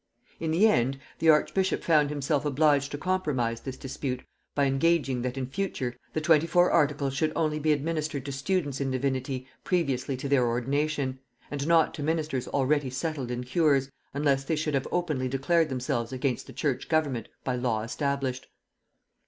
In the end, the archbishop found himself obliged to compromise this dispute by engaging that in future the twenty four articles should only be administered to students in divinity previously to their ordination; and not to ministers already settled in cures, unless they should have openly declared themselves against the church government by law established.